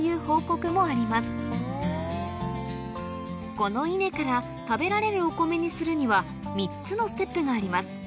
この稲から食べられるお米にするには３つのステップがあります